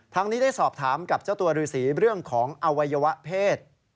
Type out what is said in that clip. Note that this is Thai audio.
นี้ได้สอบถามกับเจ้าตัวฤษีเรื่องของอวัยวะเพศ